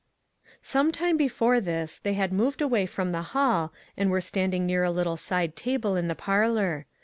Some time before this they had moved away from the hall and were standing near a little side table in the parlor.